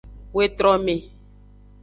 Wetrome.